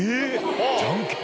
じゃんけんで？